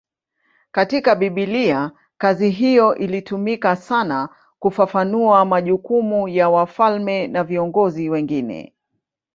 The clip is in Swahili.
Katika Biblia kazi hiyo ilitumika sana kufafanua majukumu ya wafalme na viongozi wengine.